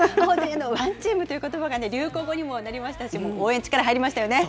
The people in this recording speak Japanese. ワンチームということばが流行語にもなりましたし、応援、力入りましたよね。